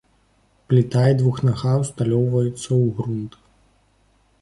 Пліта і двухнага ўсталёўваюцца ў грунт.